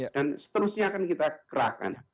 dan seterusnya akan kita kerahkan